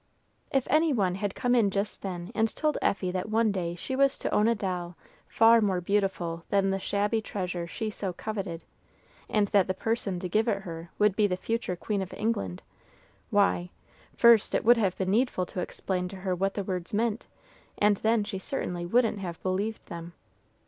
If any one had come in just then and told Effie that one day she was to own a doll far more beautiful than the shabby treasure she so coveted, and that the person to give it her would be the future Queen of England, why, first it would have been needful to explain to her what the words meant, and then she certainly wouldn't have believed them.